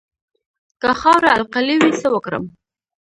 که خاوره القلي وي څه وکړم؟